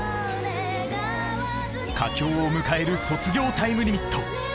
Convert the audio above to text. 佳境を迎える「卒業タイムリミット」。